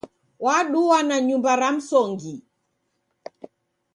Waduwa na nyumba ra msongi.